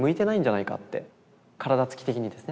体つき的にですね。